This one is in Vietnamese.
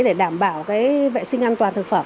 để đảm bảo cái vệ sinh an toàn thực phẩm